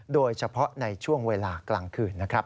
โดยเฉพาะในช่วงเวลากลางคืนนะครับ